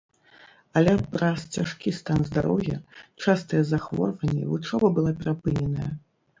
Але праз цяжкі стан здароўя, частыя захворванні вучоба была перапыненая.